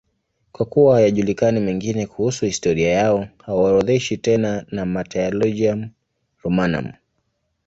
Kwa kuwa hayajulikani mengine kuhusu historia yao, hawaorodheshwi tena na Martyrologium Romanum.